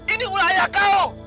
ini ulah ayah kau